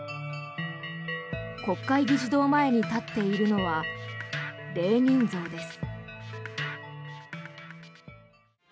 国会議事堂前に立っているのはレーニン像です。